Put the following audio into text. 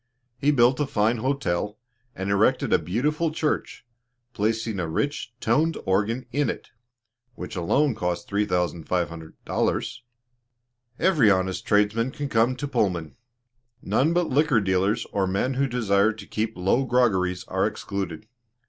He built a fine hotel, and erected a beautiful church, placing a rich toned organ in it, which alone cost $3,500. Every honest tradesman can come to Pullman. None but liquor dealers or men who desire to keep low groggeries are excluded.